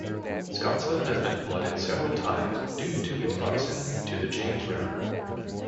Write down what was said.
Scottsville has been flooded several times due to its proximity to the James River.